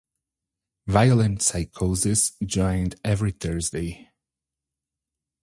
Violent Psychosis joined every Thursday.